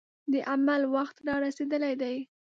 د عمل وخت را رسېدلی دی.